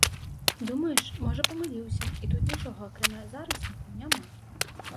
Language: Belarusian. Думаеш, можа, памыліўся, і тут нічога акрамя зарасніку няма.